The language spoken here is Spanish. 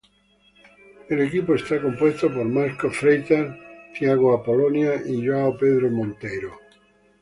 El equipo está compuesto por Marcos Freitas, Tiago Apolonia y João Pedro Monteiro.